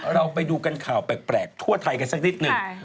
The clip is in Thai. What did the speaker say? เราไปดูกันข่าวแปลกทั่วไทยกันสักนิดหนึ่ง